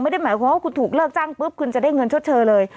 ไม่ได้หมายความว่าคุณถูกเลิกจ้างปุ๊บคุณจะได้เงินชดเชยเลย